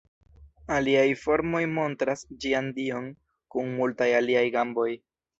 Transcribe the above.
Aliaj formoj montras ĝian dion kun multaj aliaj gamboj.